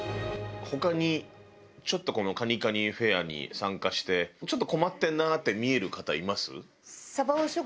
他にちょっとこの蟹蟹フェアに参加してちょっと困ってるなって見える方います？